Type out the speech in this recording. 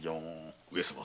上様。